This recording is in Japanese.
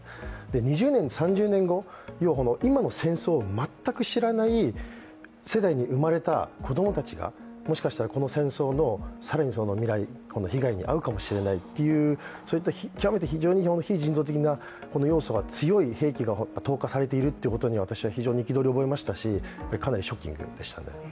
２０年、３０年後、今の戦争を全く知らない世代に生まれた子供たちが、もしかしたらこの戦争の更にその未来、被害に遭うかもしれないっていうそういった極めて非常に非人道的な要素が強い兵器が投下されていることに私は非常に憤りを覚えましたし、かなりショッキングでしたね。